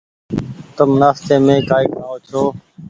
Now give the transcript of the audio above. تم نآستي مين ڪآئي کآئو ڇو۔